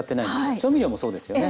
調味料もそうですよね。